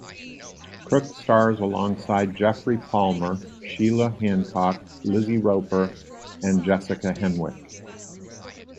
Crook stars alongside Geoffrey Palmer, Sheila Hancock, Lizzie Roper and Jessica Henwick.